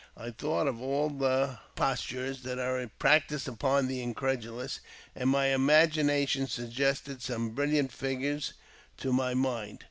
I thought of all the impostures that are practised upon the credulous, and my imagination suggested some brilliant figures to my mind.